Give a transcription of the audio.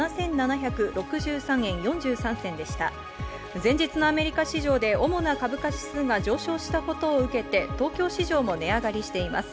前日のアメリカ市場で主な株価指数が上昇したことを受けて東京市場も値上がりしています。